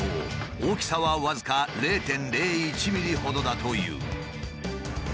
大きさは僅か０．０１ｍｍほどだという。